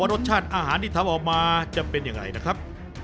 รสชาติอาหารที่ทำออกมาจะเป็นอย่างไรนะครับ